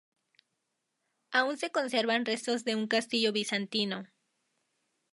Aún se conservan restos de un castillo bizantino.